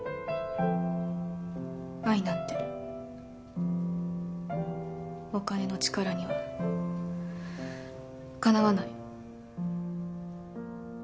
愛なんてお金の力にはかなわない。